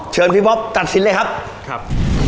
เชิญพี่บ๊อบตัดสินเลยครับครับ